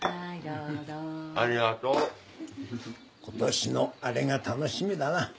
ことしのあれが楽しみだな。